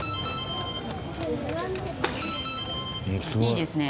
「」「」「」「」いいですね。